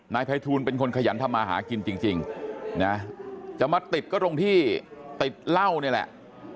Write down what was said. นายภัยทูลเป็นคนขยันทำมาหากินจริงนะจะมาติดก็ตรงที่ติดเหล้านี่แหละ